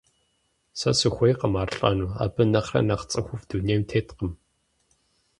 Сэ сыхуейкъым ар лӀэну, абы нэхърэ нэхъ цӀыхуфӀ дунейм теткъым.